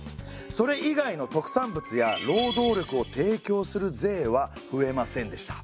それ以外の特産物や労働力を提供する税は増えませんでした。